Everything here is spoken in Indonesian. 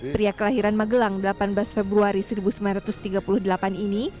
pria kelahiran magelang delapan belas februari seribu sembilan ratus tiga puluh delapan ini